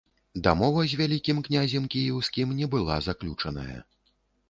Дамова з вялікім князем кіеўскім не была заключаная.